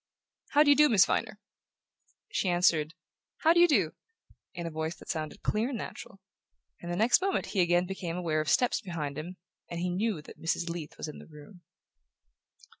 "How do you do, Miss Viner?" She answered: "How do you do?" in a voice that sounded clear and natural; and the next moment he again became aware of steps behind him, and knew that Mrs. Leath was in the room.